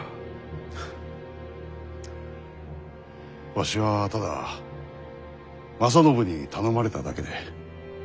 わしはただ正信に頼まれただけで。